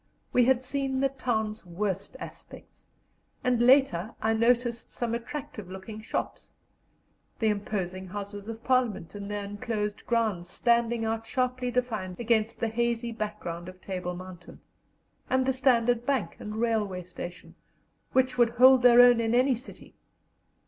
We had seen the town's worst aspects, and later I noticed some attractive looking shops; the imposing Houses of Parliament, in their enclosed grounds, standing out sharply defined against the hazy background of Table Mountain; and the Standard Bank and Railway station, which would hold their own in any city.